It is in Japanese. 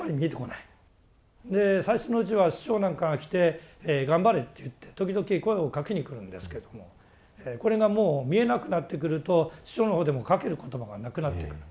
で最初のうちは師匠なんかが来て頑張れって言って時々声をかけに来るんですけどもこれがもう見えなくなってくると師匠のほうでもかける言葉がなくなってくる。